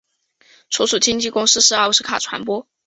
所属经纪公司是奥斯卡传播。